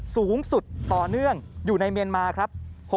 สูงสุดต่อเนื่องอยู่ในเมียนมาครับ